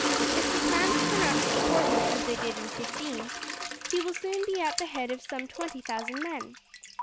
If the clans turn out to support him as they did in '15 he will soon be at the head of some twenty thousand men.